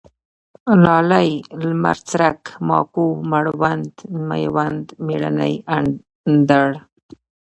لالی ، لمرڅرک ، ماکو ، مړوند ، مېوند ، مېړنی، اندړ